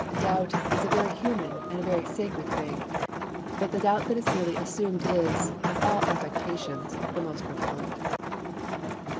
Doubt is a very human and a very sacred thing, but the doubt that is merely assumed is, of all affectations, the most repellent.